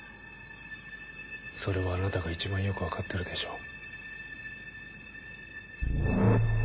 それはあなたが一番よく分かってるでしょう。